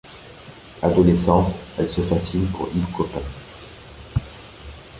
Adolescente, elle se fascine pour Yves Coppens.